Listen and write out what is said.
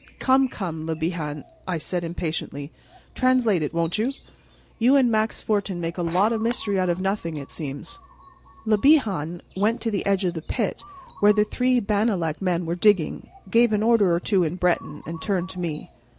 "Come, come, Le Bihan," I said impatiently, "translate it, won't you? You and Max Fortin make a lot of mystery out of nothing, it seems." Le Bihan went to the edge of the pit where the three Bannalec men were digging, gave an order or two in Breton, and turned to me.